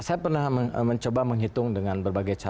saya pernah mencoba menghitung dengan berbagai cara